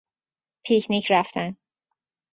پیکنیک رفتن